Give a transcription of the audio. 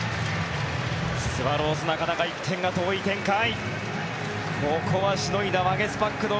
スワローズなかなか１点が遠い展開。